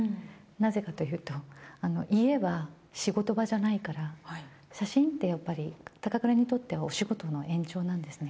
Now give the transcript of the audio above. なぜかというと、家は仕事場じゃないから、写真ってやっぱり、高倉にとってはお仕事の延長なんですね。